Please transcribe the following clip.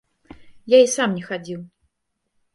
Я і сам не хадзіў.